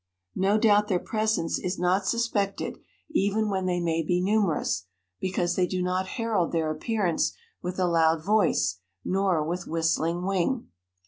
No doubt their presence is not suspected even when they may be numerous, because they do not herald their appearance with a loud voice nor with whistling wing.